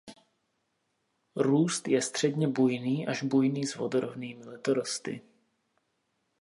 Růst je středně bujný až bujný s vodorovnými letorosty.